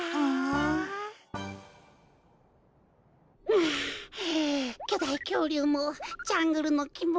があきょだいきょうりゅうもジャングルのきも